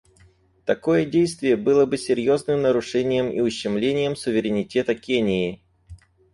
Такое действие было бы серьезным нарушением и ущемлением суверенитета Кении.